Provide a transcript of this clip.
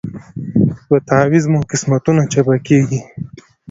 په تعویذ مو قسمتونه چپه کیږي